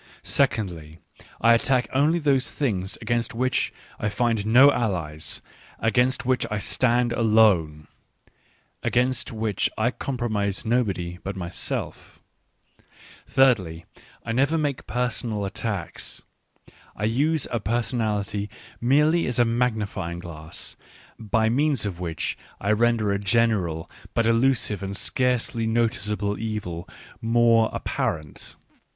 Secondly, I attack only those things against which I find no allies, against which I stand alone — against which I compromise nobody but Digitized by Google TRANSLATOR'S INTRODUCTION xi myself. ... Thirdly, I never make personal attacks — I use a personality merely as a magnifying glass, by means of which I render a general, but elusive and scarcely noticeable evil, more apparent.